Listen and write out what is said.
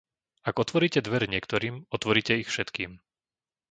Ak otvoríte dvere niektorým, otvoríte ich všetkým.